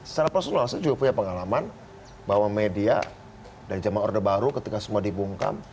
secara personal saya juga punya pengalaman bahwa media dari zaman orde baru ketika semua dibungkam